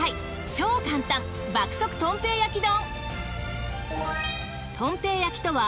超簡単爆速とん平焼き丼。